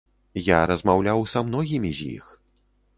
Я размаўляў са многімі з іх.